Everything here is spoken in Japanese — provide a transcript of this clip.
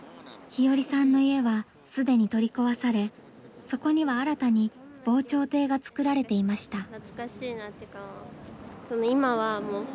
日和さんの家は既に取り壊されそこには新たに防潮堤がつくられていました。